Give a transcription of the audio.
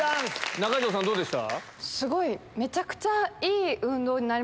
中条さんどうでした？